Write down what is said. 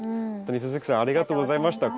鈴木さんありがとうございました。